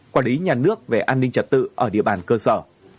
quản lý nhà nước về an ninh trật tự ở địa bàn cơ sở